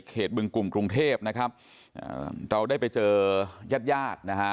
เขตบึงกลุ่มกรุงเทพนะครับเราได้ไปเจอยาดนะฮะ